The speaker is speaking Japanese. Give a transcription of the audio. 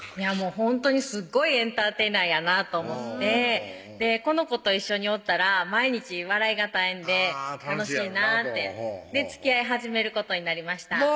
ほんとにすっごいエンターテイナーやなと思ってこの子と一緒におったら毎日笑いが絶えんで楽しいなってでつきあい始めることになりました